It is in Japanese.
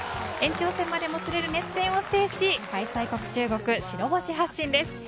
延長戦までもつれる熱戦を制し開催国、中国が白星発進です。